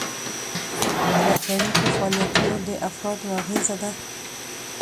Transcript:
رهبري په فعالیتونو د افرادو اغیزه ده.